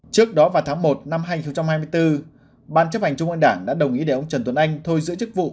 trước đó vào tháng một năm hai nghìn hai mươi bốn ban chấp hành trung ương đảng đã đồng ý để ông trần tuấn anh thôi giữ chức vụ